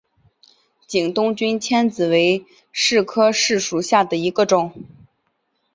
景东君迁子为柿科柿属下的一个种。